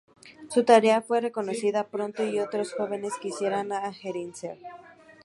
Su tarea fue reconocida pronto, y otros jóvenes quisieron adherirse.